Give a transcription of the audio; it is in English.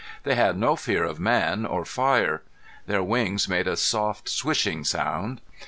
They had no fear of man or fire. Their wings made a soft swishing sound.